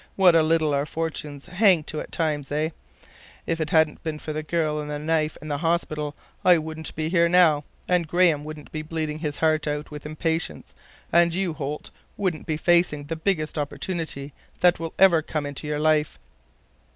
What a little our fortunes hang to at times, eh? If it hadn't been for the girl and the knife and the hospital, I wouldn't be here now, and Graham wouldn't be bleeding his heart out with impatience—and you, Holt, wouldn't be facing the biggest opportunity that will ever come into your life."